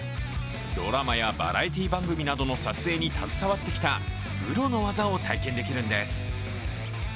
ドラマやバラエティー番組などの撮影に携わってきたプロの技を体験できるんです。